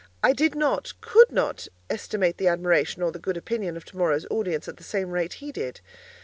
I did not—could not—estimate the admiration or the good opinion of tomorrow's audience at the same rate he did.